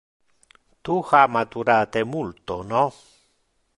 Tu ha maturate multo, no?